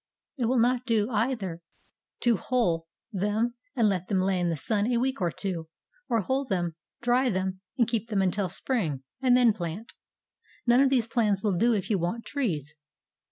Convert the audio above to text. It will not do, either, to hull them and let them lay in the sun a week or two, or hull them, dry them and keep them until spring, and then plant; none of these plans will do if you want trees.